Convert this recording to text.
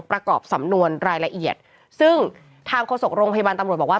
ประกอบสำนวนรายละเอียดซึ่งทางโฆษกโรงพยาบาลตำรวจบอกว่า